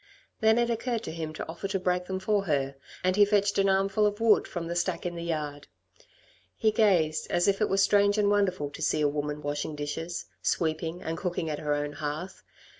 Then it occurred to him to offer to break them for her, and he fetched an armful of wood from the stack in the yard. He gazed as if it were strange and wonderful to see a woman washing dishes, sweeping, and cooking at her own hearth.